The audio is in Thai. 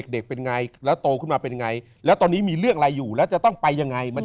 เด็กเป็นไงแล้วโตขึ้นมาเป็นไงแล้วตอนนี้มีเรื่องอะไรอยู่แล้วจะต้องไปยังไงมัน